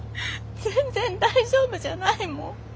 全然大丈夫じゃないもん。